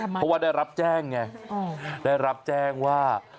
เพราะว่าได้รับแจ้งไงได้รับแจ้งว่า